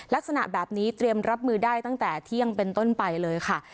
ลักษณะแบบนี้เตรียมรับมือได้ตั้งแต่เที่ยงเป็นต้นไปเลยค่ะ